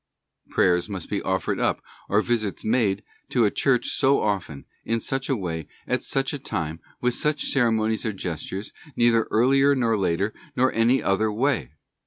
Prayers must be offered up, or visits made to a church so often, in such a way, at such a time, with such ceremonies or gestures, neither earlier nor later, nor in any other way.